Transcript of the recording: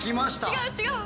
違う違う！